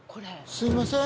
すいません。